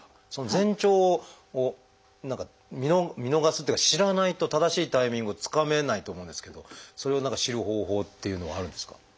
前兆を何か見逃すっていうか知らないと正しいタイミングをつかめないと思うんですけどそれを知る方法っていうのはあるんですか？